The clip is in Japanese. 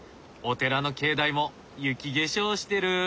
お寺の境内も雪化粧してる。